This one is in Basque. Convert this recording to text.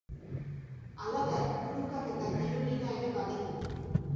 Halaber, kulunkak eta tirolina ere baditu.